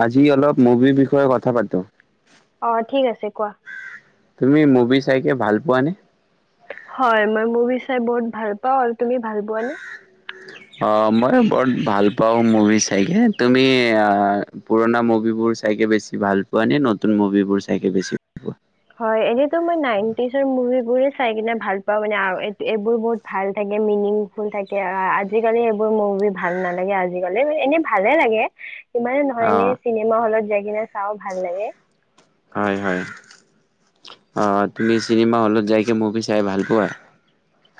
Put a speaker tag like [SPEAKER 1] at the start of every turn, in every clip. [SPEAKER 1] আজি অলপ মুভিৰ বিষয়ে কথা পাতো।
[SPEAKER 2] অঁ কোৱা
[SPEAKER 1] কোৱানে।
[SPEAKER 2] হয়, মই মভি চাই বহুত ভাল পাওঁ। আৰু তুমি ভাল পোৱানে?
[SPEAKER 1] অঁ, মই বৰ ভাল পাওঁ মুভি চাইকে তুমি পুৰণা মুভিবোৰ চাইকে বেছি ভাল পোৱা নে, নতুন মুভিবোৰ চাইকে বেছি ভাল পোৱা?
[SPEAKER 2] হয়, এনেতো মই নাইনটিজৰ মুভিবোৰে চাই কিনে ভাল পাওঁ, মানে এই এইবোৰ বহুত ভাল থাকে, মিনিংফুল থাকে, আজিকালি এইবোৰ মুভি ভাল নালাগে আজি কালি মানে, এনেই ভালে লাগে। যিমানে নহয়
[SPEAKER 1] অ
[SPEAKER 2] এনেই চিনেমা হলত যায়। কিনে চাও ভাল লাগে।
[SPEAKER 1] হয়, হয়, অ, তুমি চিনেমা হলত যাইকে মুভি চাই ভাল পোৱা।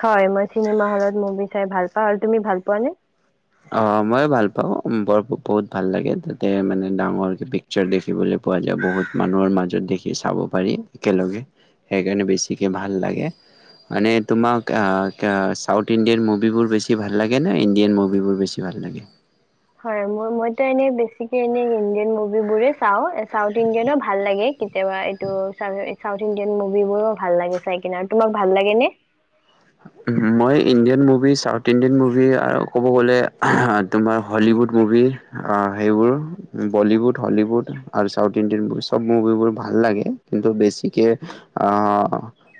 [SPEAKER 2] হয়, মই চিনেমা হলত মুভি চাই ভাল পাওঁ আৰু তুমি ভাল পোৱাানে?
[SPEAKER 1] অ মই ভাল পাওঁ বৰ বহুত ভাল লাগে তাতে মানে ডাঙৰ পিকচাৰ অ অ, মইও ভাল পাওঁ, ব-বহুত ভাল লাগে ডাঙৰ কে পিকচাৰ দেখিবলৈ পোৱা যায়। বহুত মানুহৰ মাজত দেখি চাব পাৰি একেলগে সেইকাৰণে বেছিকে ভাল লাগে মানে তোমাক চাউথ ইণ্ডিয়ান মুভিবোৰ বেছি ভাল লাগে ন ইণ্ডিয়ান মুভিবোৰ? বেছি ভাল লাগে।
[SPEAKER 2] হয়, ম, মইতো এনেই বেছিকে এনে ইণ্ডিয়ান মুভিবোৰে চাও। চাউথ ইণ্ডিয়ানো ভাল লাগে কিন্তু কেতিয়াবা এইটো চা-চাউথ ইণ্ডিয়ান মুভিবোৰো ভাল লাগে চাই কিনে, আৰু তোমাক ভাল লাগে নে?
[SPEAKER 1] মই Indian movie, south Indian movie, আৰু ক'ব গ'লে তোমাৰ হলিউড মুভি সেইবোৰ বলীউড হলিউড আৰু চাউথ ইণ্ডিয়ান মুভি চব মুভিবোৰ ভাল লাগে। কিন্তু বেছিকৈ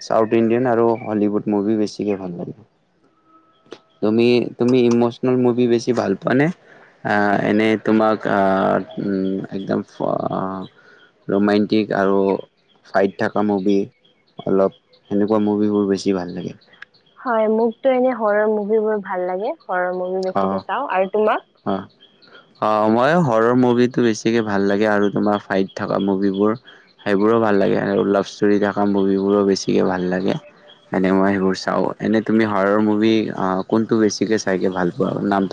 [SPEAKER 1] চাউথ ইণ্ডিয়ান আৰু হলীউড মুভি বেছি। তুমি-তুমি ইমচনেল মুভি বেছি ভাল পোৱা নে, আহ এনে তোমাক আহ উ একদম ৰোমণ্টিক আৰু ফাইট থকা মুভি অলপ সেনেকুৱা মুভিবোৰ বেছি ভাল লাগে?
[SPEAKER 2] হয়, মোকতো এনে হৰৰ মুভিবোৰ ভাল লাগে। ঘৰৰ ম
[SPEAKER 1] অ
[SPEAKER 2] বেছিকে চাওঁ আৰু তোমাক?
[SPEAKER 1] অ অ, মই হৰৰ মুভিটো বেছিকে ভাল লাগে। আৰু তোমাৰ ফাইট থকা মুভিবোৰ সেইবোৰো ভাল লাগে। আৰু লাভ ষ্টৰি থকা মুভিবোৰো বেছিকে ভাল লাগে এনে মই সেইবোৰ চাও এনে তুমি হৰৰ মুভি কোনটো বেছিকে চাইকে ভাল ব নাম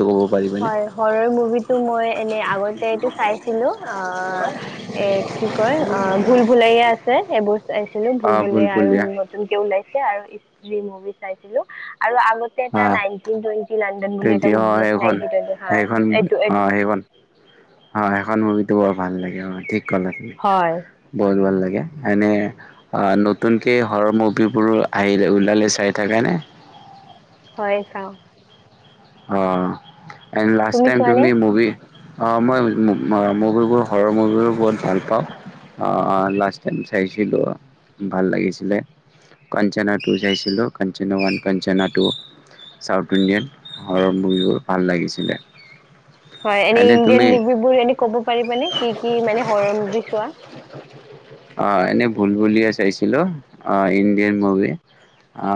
[SPEAKER 2] হয়, হৰৰ মুভিটো মই এনে, আগত এইটো চাইছিলো অ, এ, কি কয় অ, ভুল ভোলায়া আছে। সেইবোৰ চাইছিলো
[SPEAKER 1] অ ভুল
[SPEAKER 2] ভুলভূলয়া আৰু
[SPEAKER 1] ভুলিয়া
[SPEAKER 2] নতুনকে ওলাইছে আৰু। মুভি চাইছিলো [unintelligible] আৰু আগতে এটা
[SPEAKER 1] অ
[SPEAKER 2] নাইনিন টুৱটি নাই বুলি এটা মুভি আছে। নাইনটিন টুৱেন্টি হয়
[SPEAKER 1] সখন-সেইখন
[SPEAKER 2] এইটো
[SPEAKER 1] অ,
[SPEAKER 2] এইটো
[SPEAKER 1] সেইখন অ, সেইখন মু টো বৰ ভাল লাগে অ, ঠিক
[SPEAKER 2] হয়
[SPEAKER 1] বহুত ভাল লাগ [inaudible] এনে নতুনকে হৰৰ মুভিবোৰ আহিল ওলালে চাই থাকে নে?
[SPEAKER 2] হয় চাও
[SPEAKER 1] অহ এণ্ড লাষ্ট টাইম তুমি মৱী অ মই মুভিবোৰ হৰৰ মুভিবোৰ বহুত ভাল পাওঁ অ লাষ্ট টাইম চাইছিলোঁ ভাল লাগিছিলে কাঞ্চনা টু চাইছিলোঁ Kanchana one Kanchana two south Indian horror মভিবোৰ ভাল লাগিছিলে
[SPEAKER 2] হয় এনে ইণ্ডিয়ান মভিবোৰ এনে ক'ব পাৰিবানে কি কি মানে হৰৰ মভি চোৱা
[SPEAKER 1] অ এনেই ভুল বুলিয়ে চাইছিলো অ ইণ্ডিয়ান মুভি অ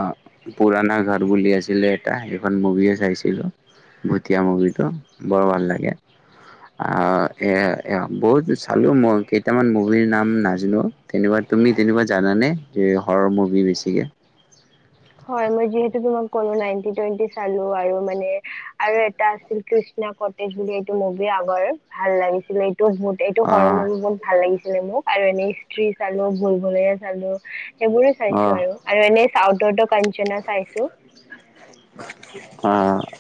[SPEAKER 1] পুৰণা ঘৰ বুলি আছিলে এটা সেইখন মুভিয়ে চাইছিলো ভুটীয়া মুভিটো বৰ ভাল লাগে অ এ বহুত চালো মই কেইটামান মুভিৰ নাম নাই হেল্ল কেনেকুৱা তুমি তেনেকুৱা জানানে হৰৰ মুভি বেছিকে
[SPEAKER 2] হয় ম যিেতু তমাক কো ন ুৱেটি চো আৰু মানে আৰু এটা আছিল কৃষ্ণা কটজ বুলি এইটো মুভি আগৰ ভাল লাগিছিল এই বহুত এইটো সৰ
[SPEAKER 1] আহ
[SPEAKER 2] মৰ বহুত ভাল লাগিছিলে মোক আৰু এনেই হিষ্ট্ৰ্ৰী চালো ভুল ভোুলৰে চালো সেইবোৰৰে চাইছো
[SPEAKER 1] আহ
[SPEAKER 2] আৰু আৰু এনে চা দ পঞঞ্চনা চাইছো [unintelligible]
[SPEAKER 1] অ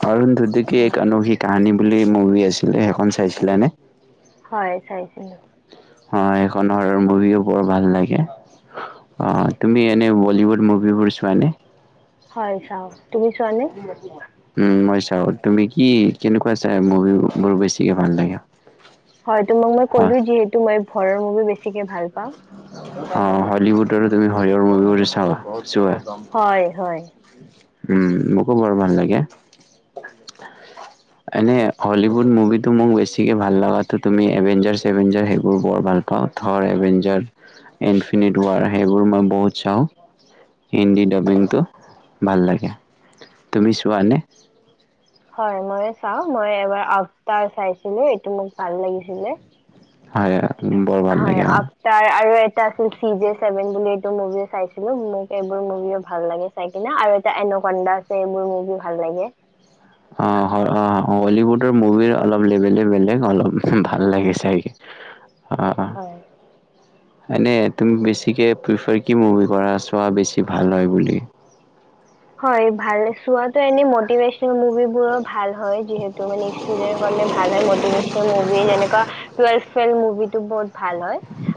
[SPEAKER 1] অৰুণ ধুধ কি
[SPEAKER 2] হয়
[SPEAKER 1] এক অনৌহি কাহীনী বুলি মুভি আছিলে সেইখন চাইছিলানে
[SPEAKER 2] হয় চাইছিলো
[SPEAKER 1] অ সেইখনৰ মুভিও বৰ ভাল লাগে অ তুমি এনেই বলীউড মুভিবোৰ চোৱানে
[SPEAKER 2] হয় চাও তুমি চোৱানে
[SPEAKER 1] [unintelligible] উ মই চাও তুমি কি কেনেকুৱা চাই মুভি বোৰ বেছিকে ভাল লাগে?
[SPEAKER 2] হয় তো মোক মই
[SPEAKER 1] হয়
[SPEAKER 2] ক'লো যিহেতু মই হৰৰ মুভি বেছিকে ভাল পাওঁ
[SPEAKER 1] অ হলিউড আৰু তুমি হলউৰ মুভি বোৰ চাবা
[SPEAKER 2] হয় হয়।
[SPEAKER 1] উম মোকো বৰ ভাল লাগে এনে হলিউড মুভিটো মোক বেছিকে ভাল লগাো তুমি এভেঞ্জাৰভেঞ্জাৰ সেইবোৰ বৰ ভাল পাওঁ থৰ এভেঞ্জাৰ ইনফিনিট ৱাৰ সেইবোৰ মই বহুত চাওঁ হিন্দী ডাবিংটো ভাল লাগে তুমি চোৱাানে
[SPEAKER 2] হয় মই চাও মই এবাৰ আবতাৰ চাইছিলো এইটো মোক ভাল লাগিছিলে
[SPEAKER 1] হয় বৰ ভাল
[SPEAKER 2] হয়
[SPEAKER 1] লাগে
[SPEAKER 2] আফটাৰ আৰু এটা আছিল চি যে ছেভেন বুলি এই মুভিও চাইছিলো মোক এইবোৰ মুভিও ভাল লাগে চাই কিনে আৰু এটা এনন্দা আছে এইবোৰ মুভিও ভাল লাগে
[SPEAKER 1] অ অ বলিউডৰ মুভিৰ অলপ লেবেলে বেলেগ অলপ ভাল লাগে চাই
[SPEAKER 2] হয়
[SPEAKER 1] এনে তুমি বেছিকে প্ৰফাৰ কি মভি কৰাছোৱা বেছি ভাল হয় বুলি
[SPEAKER 2] [unintelligible]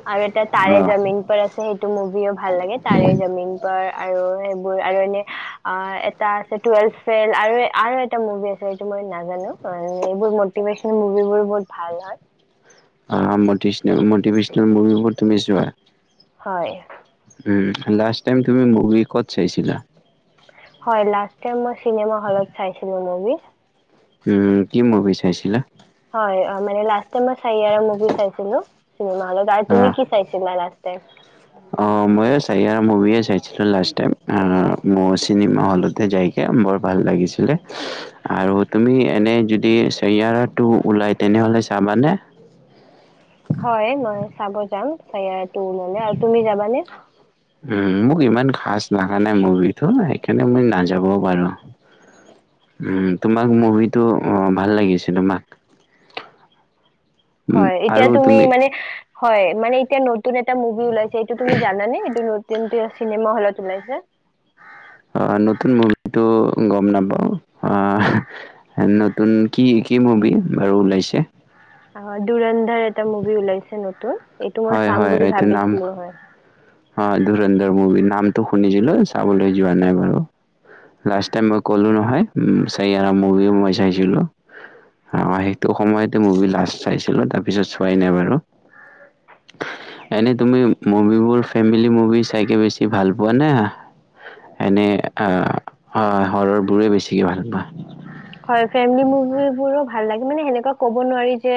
[SPEAKER 2] আৰু এটা
[SPEAKER 1] অ
[SPEAKER 2] তাৰে জমিন প আছে সেই মভিয়ো ভাল লাগে তাৰে জামিন [inaudible] আৰু সেইবোৰ আৰু এনে আ এটা আছে টুৱেলভ ফেইল আৰু-আৰু এটা মুভি আছে সেইটো মই নাজানো এইবোৰ মটিভেশ্যনল মুভিবোৰ বহুত ভাল হয়।
[SPEAKER 1] অ মটিশনল-মটিভেশ্যনল মুভিবোৰ তুমি চোৱা
[SPEAKER 2] হয়
[SPEAKER 1] উম লাষ্ট টাইম তুমি মুভি কত চাইছিলা?
[SPEAKER 2] হয় লাষ্ট টাইম মই চিনেমা হলত চাইছিলো মুভি
[SPEAKER 1] উম কি মুভি চাইছিলা
[SPEAKER 2] হয় মানে লাষ্ট টাইম মই চাইয়াৰা মুভি চাইছিলো চিনেমা হলত আৰু তুমি কি চাইছিলা লাষ্ট টাইম
[SPEAKER 1] আহ মইয়ো চাইয়াৰা মুভিয়ে চাইছিলো লাষ্ট টাইম, মোৰ চিনেমা হলতে যাইকে বৰ ভাল লাগিছিলে আৰু তুমি এনে যদি চাইয়াৰা টু ওলাই তেনেহলে চাবানে
[SPEAKER 2] হয় মই চাব যাম [inaudible] [inaudible] আৰু তুমি যাবানে
[SPEAKER 1] উম মোক ইমান খাছ লাগা নাই মুভিটো সেইকাৰণে মই নাযাবও পাৰো উম তোমাক মুভিটো ভাল লাগিছে তোমাক উম,
[SPEAKER 2] হয় এতিয়া
[SPEAKER 1] আৰু
[SPEAKER 2] তুমি মানে হয় মানে এতিয়া নতুন এটা মুভি ওলাইছে এইটো তুমি জানানে এইটো নতুন চিনেমা হলত ওলাইছে
[SPEAKER 1] আহ নতুন মুভিটো গম নাপাও আহ নতুন কি কি মুভি বাৰু ওলাইছে
[SPEAKER 2] অ ধুৰন্ধৰ এটা মুভি ওলাইছে নতুন এইটো মই
[SPEAKER 1] হয়
[SPEAKER 2] চাম
[SPEAKER 1] হয়
[SPEAKER 2] বুলি
[SPEAKER 1] এইটো নাম
[SPEAKER 2] ভাবিছিলো হয়
[SPEAKER 1] অ ধুৰন্ধৰ মুভি নামটো শুনিছিলোঁ চাবলৈ যোৱা নাই বাৰু, লাষ্ট টাইম মই কলোঁ নহয় উম চাইয়াৰা মুভি মই চাইছিলোঁ, সেইটো সময়তে মুভি লাষ্ট চাইছিলোঁ তাৰ পিছত চোৱাই নাই বাৰু, এনে তুমি মুভিবোৰ ফেমিলি মুভি চাইকে বেছি ভাল পোৱা নে এনেই অ হৰৰবোৰ বেছিকৈ ভাল পোৱা
[SPEAKER 2] হয় ফেমিলি মুভিবোৰো ভাল লাগে মানে সেনেকুৱা কব কব নোৱাৰি যে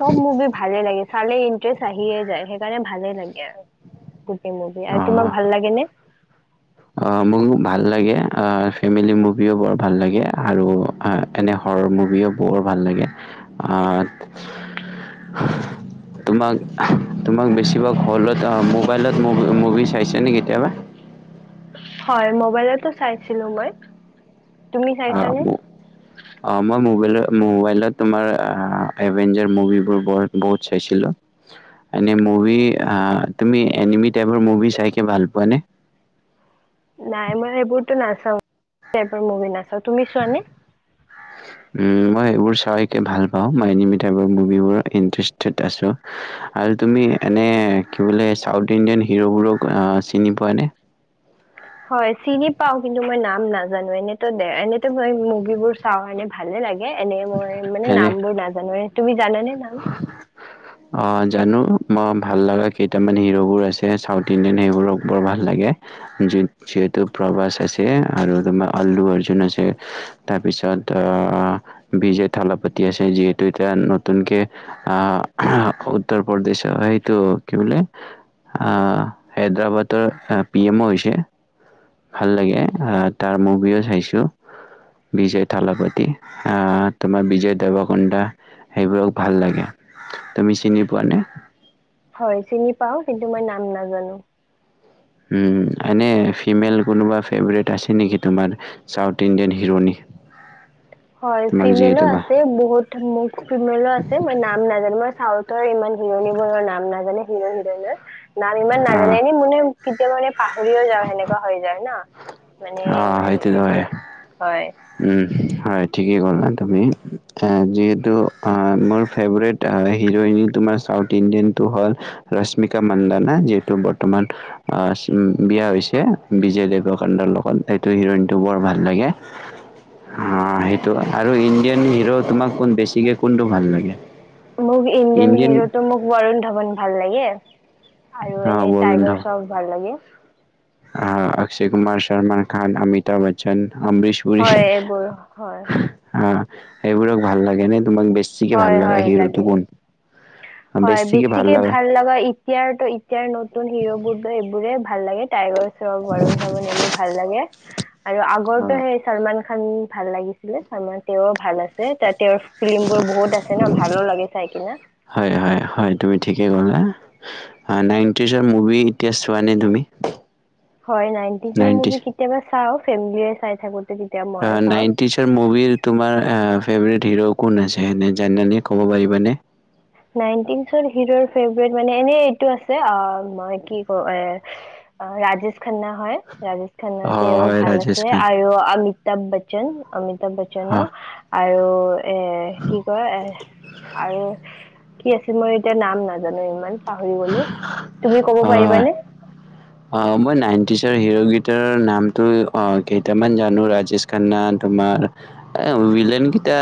[SPEAKER 2] চব মুভি ভালে লাগে চালে ইণ্টাৰেষ্ট আহিয়ে যায় সেইকাৰণে ভালে লাগে আৰু গোটেই মুভি আৰু তোমাক ভাল লাগে নে
[SPEAKER 1] আ মোৰ ভাল লাগে আ ফেমিলি মুভিও বৰ ভাল লাগে আৰু এনে হৰৰ মুভিও বৰ ভাল লাগে আ তোমাক-তোমাক বেছিভাগ হলত আ মোবাইলত মুভি চাইছা না কেতিয়াবা
[SPEAKER 2] হয় মোবাইলতো চাইছিলো মই তুমি
[SPEAKER 1] অ
[SPEAKER 2] চাইছানে
[SPEAKER 1] ম অ মই মোবাইল মবাইলত তোমাৰ আ এভেঞ্জাৰ মুভিবোৰ ব-বহুত চাইছিলো এনে মুভি আ তুমি এনেমি মুভি চাইকে ভাল পোৱানে
[SPEAKER 2] নাই মই সেইবোৰতো নাচাও সেইবোৰ মুভি নাচাও তুমি চোৱানে
[SPEAKER 1] উম মই এইবোৰ ভাল পাও মই এনেমি টাইপৰ মুভিবোৰত ইন্টাৰেষ্টেড আছো আৰু তুমি এনে কি বোলে চাউথ ইণ্ডিয়ান হিৰ'বোৰক চিনি পোৱানে
[SPEAKER 2] হয় চিনি পাও কিন্তু মই নাম নাজানো এনেতো-এনেতো মই মুভিবোৰ চাও এনে ভালে লাগে এনেই মই মানে
[SPEAKER 1] এনে
[SPEAKER 2] নাম বোৰ নাজানোয়ে জানা নে নাম
[SPEAKER 1] অ জানো মই ভাল লগা কেইটামান হিৰ'বোৰ আছে চাউথ ইণ্ডিয়ান সেইবোৰক বৰ ভাল লাগে যি-যিহেতু প্ৰভাস আছে আৰু তোমাৰ আল্লু অৰ্জুন আছে তাৰপিছত বিজয় থালাপতি আছে যিহেতু এতিয়া নতুনকে, আহ, উত্তৰ প্ৰদেশৰ সেইটো কি বুলি, আহ, হায়দৰাবাদৰ পি এমও হৈছে। ভাল লাগে আহ তাৰ মুভিও চাইছো, বিজয় থালাপতি, আহ তোমাৰ বিজয় দেৱকোণ্ডা, সেইবোৰক ভাল লাগে। তুমি চিনি পোৱানে?
[SPEAKER 2] হয় চিনি পাওঁ, কিন্তু মই নাম নাজানো।
[SPEAKER 1] উম, এনে ফিমেল কোনোবা ফেভৰেট আছে নেকি তোমাৰ, চাউথ ইণ্ডিয়ান হিৰণী।
[SPEAKER 2] হয়,
[SPEAKER 1] তোমাক
[SPEAKER 2] ফিমেলো
[SPEAKER 1] যিহেতু বা
[SPEAKER 2] আছে বহুত ফিমেলো আছে মই নাম নাজানো মই তই ইমান হিৰণী বোৰৰ নাম নাজানো হিৰণ হিৰণৰ। নাম ইমান
[SPEAKER 1] অ
[SPEAKER 2] নাজানে এনেই মানে কেতিয়াবা মানে পাহৰিয়েই যাওঁ সেনেকুৱা হৈ যায় ন। মানে
[SPEAKER 1] অ,
[SPEAKER 2] ইমান
[SPEAKER 1] সেইটো
[SPEAKER 2] এইটো
[SPEAKER 1] হয়,
[SPEAKER 2] হয়
[SPEAKER 1] উম। হয় ঠিকেই ক'লা তুমি, অ, যিহেতু মোৰ ফেভৰেট হিৰইন তোমাৰ চাউথ ইণ্ডিয়ানটো হ'ল ৰশ্মিকা মান্দানা যিহেতু বৰ্তমান বিয়া হৈছে, বিজয় দেৱৰকোণ্ডাৰ লগ সেইটো হিৰইনটো বৰ ভাল লাগে। অ, সেইটো, আৰু ইণ্ডিয়ান হিৰো তোমাক বেছিকে কোনটো ভাল লাগে।
[SPEAKER 2] মোক ইণ্ডিয়ান হিৰোটো মোক ৱৰুণ ধাৱন। ভাল লাগে। আৰু
[SPEAKER 1] অ
[SPEAKER 2] এনে টাইগাৰ চব ভাল লাগে।
[SPEAKER 1] আ অক্ষয় কুমাৰ, চলমান খান, অমিতাভ বচ্চন। আমৰিছপুৰি,
[SPEAKER 2] হয় এইবোৰ হয়
[SPEAKER 1] আ। এইবোৰক ভাল লাগে নে? তোমাক বেছিকে
[SPEAKER 2] হয়
[SPEAKER 1] ভাল লাগা
[SPEAKER 2] হয় লাগে
[SPEAKER 1] হিৰোটো কোন?
[SPEAKER 2] হয় বেছিকে ভাল লগা এতিয়াৰ তো এতিয়াৰ নতুন হিৰোবোৰটো এইবোৰে ভাল লাগে টাইগাৰ চব বৰুণ ধৱন এইবোৰ ভাল লাগে। আৰু
[SPEAKER 1] অ
[SPEAKER 2] আগৰটো সেই চলমান খান ভাল লাগিছিলে চামা তেওঁৰ ভাল আছে তাতে তেওঁৰ ফিল্ম বোৰ বহুত আছে ন ভালো লাগে চাই কিনে।
[SPEAKER 1] হয় হয় হয় তুমি ঠিকেই ক'লা, হা নাইনটিছৰ মুভি এতিয়া চোৱা নে তুমি?
[SPEAKER 2] হয় নাইনটিজৰ
[SPEAKER 1] নাইনটিজ
[SPEAKER 2] মুভি কেতিয়াবা চাওঁ। চেম্বেলিয়ে চাই থাকো
[SPEAKER 1] হা নাইনটিছৰ মুভিৰ তোমাৰ অ, ফেভৰেট হিৰো কোন আছে, এনে জানা নে, ক'ব পাৰিব নে?
[SPEAKER 2] নাইনটিছৰ হিৰো ফেভৰেট মানে এনে এইটো আছে অ, মই কি কৈ এ, ৰাজেশ খান্না হয়, ৰাজেশ খান্না
[SPEAKER 1] অ
[SPEAKER 2] তেওঁ
[SPEAKER 1] হয়
[SPEAKER 2] ভাল
[SPEAKER 1] ৰাজেশ
[SPEAKER 2] আছে
[SPEAKER 1] খান
[SPEAKER 2] আৰু আমিত অমিতা বচ্চন অমিত বচ্চনন
[SPEAKER 1] অ
[SPEAKER 2] আ আৰু এ, কি কয় এহ আৰু কি আছে, মই এতিয়া নাম নাজানো ইমান পাহৰি গ'লো, তুমি ক'ব
[SPEAKER 1] অ
[SPEAKER 2] পাৰিবানে?
[SPEAKER 1] অ' মই নাইনটিজৰ হিৰ কেইতাৰ নামটো কেইটামান জানো, ৰাজেশ খান্না তোমাৰ ভিইলেন কেইটা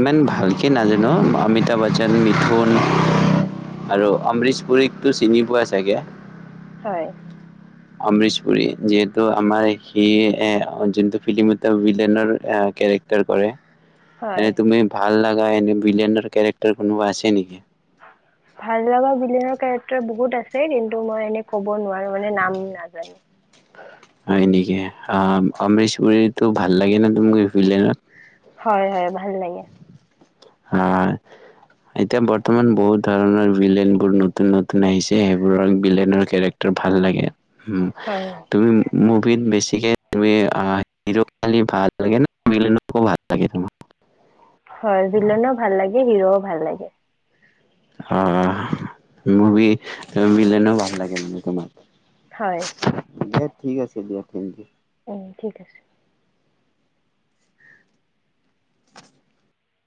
[SPEAKER 1] ইমান ভালকে নাজানো, অমিতাভ বচ্চন, মিথুন আৰু অমৰিশ পুুৰীকতটো চিনি পোৱা চাগে?
[SPEAKER 2] হয়
[SPEAKER 1] অমৰিশ পুুৰী যিহেতু আমাৰ সি যোনটো ফিল্মত ভিলনৰ কেৰেক্টাৰ কৰে
[SPEAKER 2] হয়
[SPEAKER 1] এনে তুমি ভাল লগা এনেই ভিলেইনৰ কেৰেক্টাৰ কোনোবা আছে নেকি?
[SPEAKER 2] ভাল লগা ভিলেইনৰ কেৰেক্টাৰ বহুত আছে, কিন্তু মই এনে ক'ব নোৱাৰো মানে নাম নাজানো।
[SPEAKER 1] হয় এনেকি, অ' অমৰীশপুৰীতো ভাল লাগে নে তুমি ভিলেইনত?
[SPEAKER 2] হয় হয় ভাল লাগে।
[SPEAKER 1] হয়, এতিয়া বৰ্তমান বহুত ধৰণৰ ভিলেইন বোৰ নতুন নতুন আহিছে, সেইবোৰৰ ভিলেইনৰ কেৰেক্টাৰ ভাল লাগে। উম,
[SPEAKER 2] হয়
[SPEAKER 1] তুমি মোক বেছিকে হি'ৰক ভাল লাগে নে ভিলেইনক ভিল লাগে তমাক?
[SPEAKER 2] হয় ভিলনও ভাল লাগে হিৰ'ও ভাল লাগে।
[SPEAKER 1] অ' মুভি ভিলেইনোও ভাল লাগে মানে তোমাৰ,
[SPEAKER 2] হয়।
[SPEAKER 1] দিয়া ঠিক আছে দিয়া থেংকইউ।
[SPEAKER 2] অ, ঠিক আছে।